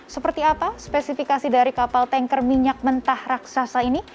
seperti apa spesifikasi dari kapal tanker minyak mentah raksasa ini